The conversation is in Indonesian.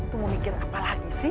kamu mikir apa lagi sih